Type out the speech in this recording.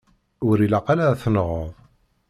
Ur ilaq ara ad tenɣeḍ.